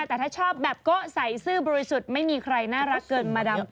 แต่ถ้าชอบแบบโกะใส่ซื่อบริสุทธิ์ไม่มีใครน่ารักเกินมาดำ